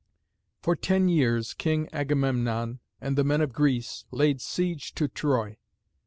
For ten years King Agamemnon and the men of Greece laid siege to Troy.